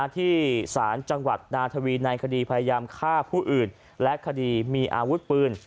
ที่ศาลจังหวัดนาทวีในคดีพยายามฆ่าผู้อื่นและคดีมีอาวุธปืน